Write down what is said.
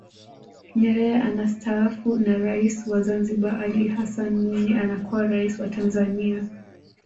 Nyerere anastaafu na Rais wa Zanzibar Ali Hassan Mwinyi anakuwa Rais wa Tanzania